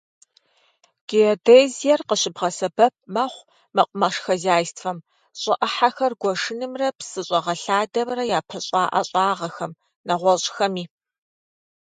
Геодезиер къыщыбгъэсэбэп мэхъу мэкъумэш хозяйствэм, щӀы Ӏыхьэхэр гуэшынымрэ псы щӀэгъэлъадэмрэ япыщӀа ӀэщӀагъэхэм, нэгъуэщӀхэми.